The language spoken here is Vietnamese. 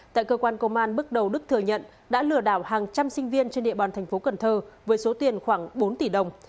tại cơ quan công an bước đầu đức thừa nhận đã lừa đảo hàng trăm sinh viên trên địa bàn thành phố cần thơ với số tiền khoảng bốn tỷ đồng